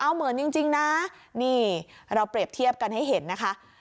เอาเหมือนจริงนะนี่เราเปรียบเทียบกันให้เห็นนะคะ